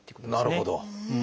なるほど。